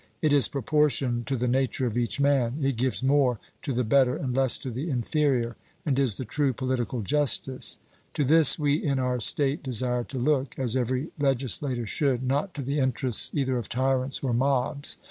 It is proportioned to the nature of each man; it gives more to the better and less to the inferior, and is the true political justice; to this we in our state desire to look, as every legislator should, not to the interests either of tyrants or mobs.